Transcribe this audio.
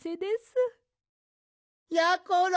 ・やころ